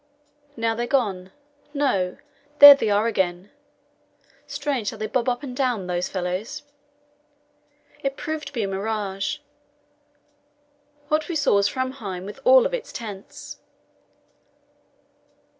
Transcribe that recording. "Now they're gone. No; there they are again. Strange how they bob up and down, those fellows!" It proved to be a mirage; what we saw was Framheim with all its tents.